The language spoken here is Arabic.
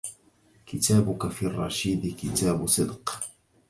كتابك في الرشيد كتاب صدق